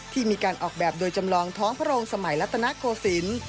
ที่มีการออกแบบโดยจำลองท้องพระองค์สมัยรัตนโกศิลป์